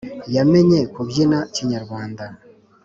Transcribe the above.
yamenye kubyina Kinyarwanda